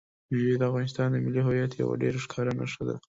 مېوې د افغانستان د ملي هویت یوه ډېره ښکاره نښه ده.